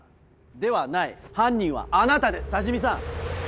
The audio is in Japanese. ではない犯人はあなたです多治見さん！